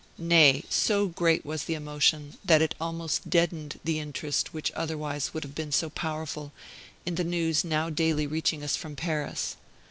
Nay, so great was the emotion, that it almost deadened the interest which otherwise would have been so powerful, in the news now daily reaching us from Paris.